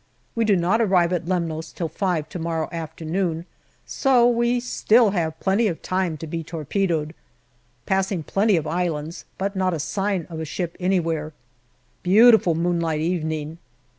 We do not arrive at Lemnos till five to morrow afternoon, so we have still plenty of time to be torpedoed. Passing plenty of islands, but not a sign of a ship anywhere. Beautiful moonlight evening.